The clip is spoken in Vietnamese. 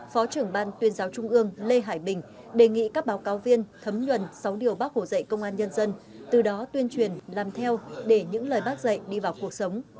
phó trưởng ban tuyên giáo trung ương lê hải bình đề nghị các báo cáo viên thấm nhuần sáu điều bác hồ dạy công an nhân dân từ đó tuyên truyền làm theo để những lời bác dạy đi vào cuộc sống